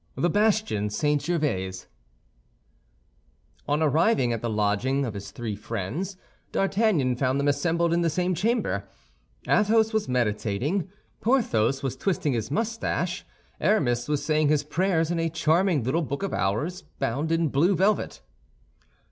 THE BASTION SAINT GERVAIS On arriving at the lodgings of his three friends, D'Artagnan found them assembled in the same chamber. Athos was meditating; Porthos was twisting his mustache; Aramis was saying his prayers in a charming little Book of Hours, bound in blue velvet.